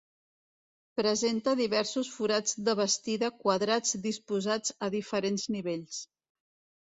Presenta diversos forats de bastida quadrats disposats a diferents nivells.